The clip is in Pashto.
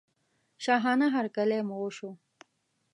شاهانه هرکلی مو وشو.